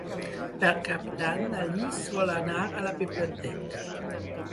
Per Cap d'Any na Lis vol anar a la biblioteca.